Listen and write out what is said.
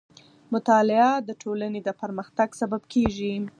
مطالعه د ټولنې د پرمختګ سبب کېږي.